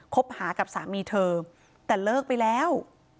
คบหากับสามีเธอแต่เลิกไปแล้ว